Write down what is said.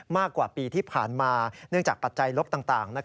มากกว่าปีที่ผ่านมาเนื่องจากปัจจัยลบต่าง